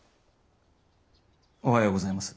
おはようございます。